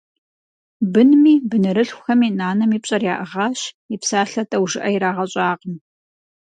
Бынми бынырылъхухэми нанэм и пщӀэр яӀыгъащ, и псалъэ тӀэужыӀэ ирагъэщӀакъым.